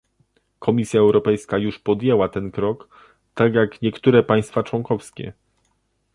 Komisja Europejska już podjęła ten krok, tak jak niektóre państwa członkowskie